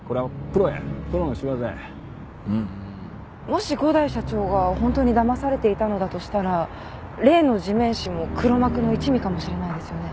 もし五大社長が本当にだまされていたのだとしたら例の地面師も黒幕の一味かもしれないですよね。